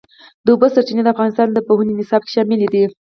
د اوبو سرچینې د افغانستان د پوهنې نصاب کې شامل دي.